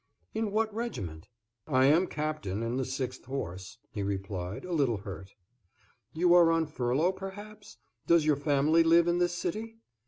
"In what regiment?" "I am captain in the Sixth Horse," he replied, a little hurt. "You are on furlough, perhaps? Does your family live in this city?"